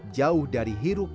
jauh dari hidupan